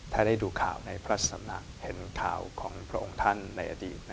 ถ้าได้ดูข่าวในพระสำนักเห็นข่าวของพระองค์ท่านในอดีต